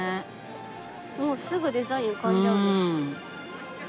もうすぐデザイン浮かんじゃうんですね。